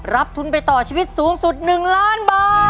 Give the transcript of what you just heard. ทุนไปต่อชีวิตสูงสุด๑ล้านบาท